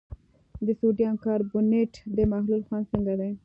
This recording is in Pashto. د سوډیم کاربونیټ د محلول خوند څنګه دی؟